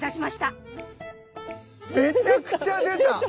めちゃくちゃ出た！